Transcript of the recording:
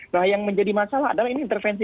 nah yang menjadi masalah adalah ini intervensi